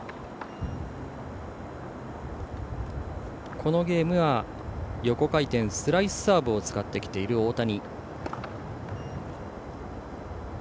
このゲームは横回転スライスサーブを使ってきている大谷。